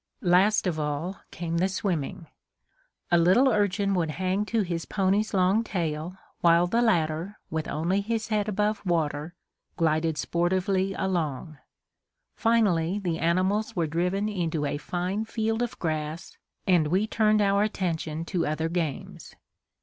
Last of all came the swimming. A little urchin would hang to his pony's long tail, while the latter, with only his head above water, glided sportively along. Finally the animals were driven into a fine field of grass and we turned our attention to other games.